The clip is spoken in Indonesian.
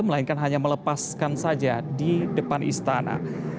melainkan hanya melepaskan saja di depan istana